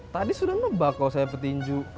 tadi sudah nebak kalau saya pak cinju